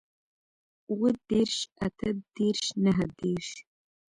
اووه دېرش اتۀ دېرش نهه دېرش